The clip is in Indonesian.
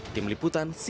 tim liputan cnn indonesia